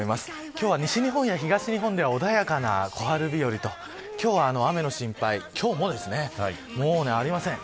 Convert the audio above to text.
今日は西日本や東日本では穏やかな小春日和と今日も雨の心配はありません。